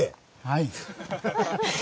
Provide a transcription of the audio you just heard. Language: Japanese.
はい。